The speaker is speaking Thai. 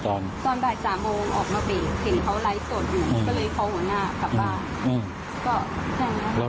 ยังไม่ยอมบอกอะไร